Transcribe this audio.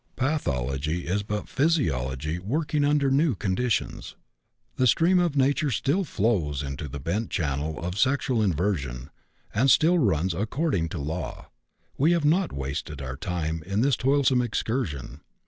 Pathology is but physiology working under new conditions. The stream of nature still flows into the bent channel of sexual inversion, and still runs according to law. We have not wasted our time in this toilsome excursion.